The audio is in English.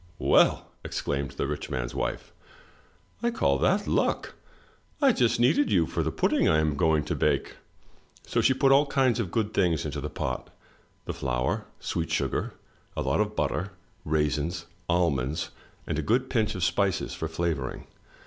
"Well,*' exclaimed the rich man's wife, "I call that luck. I just need you for the pudding I am going to bake." So she put all kinds of good things into the pot, — fine flour, sweet sugar, a lot of butter, raisins, almonds, and a good pinch of spices for flavoring.